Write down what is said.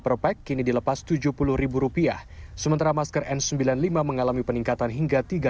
perpek kini dilepas tujuh puluh rupiah sementara masker n sembilan puluh lima mengalami peningkatan hingga